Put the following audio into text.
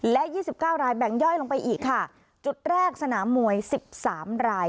และ๒๙รายแบ่งย่อยลงไปอีกค่ะจุดแรกสนามมวย๑๓ราย